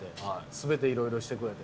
すべていろいろしてくれて。